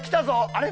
あれ？